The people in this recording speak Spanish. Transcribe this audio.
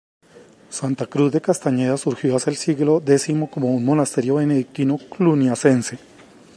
Santa Cruz de Castañeda surgió hacia el siglo X como un monasterio benedictino cluniacense.